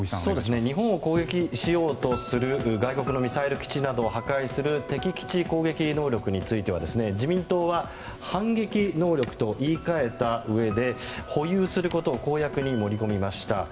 日本を攻撃しようとする外国のミサイル基地などを破壊する敵基地攻撃能力については自民党は反撃能力と言い換えたうえで保有することを公約に盛り込みました。